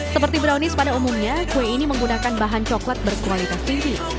seperti brownies pada umumnya kue ini menggunakan bahan coklat berkualitas tinggi